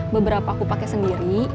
beberapa aku pake sendiri